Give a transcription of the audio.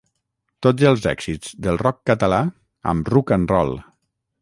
Tots els èxits del rock català amb Ruc'nRoll